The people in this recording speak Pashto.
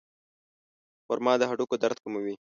خرما د هډوکو درد کموي.